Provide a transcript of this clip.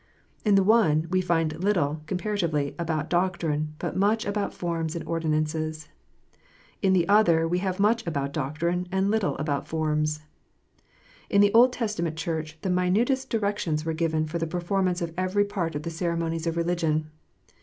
In the one, we find little, com paratively, about doctrine, but much about forms and ordinances. In the other, we have much about doctrine, and little about forms. In the Old Testament Church the minutest directions were given for the performance of every part of the ceremonies of religion.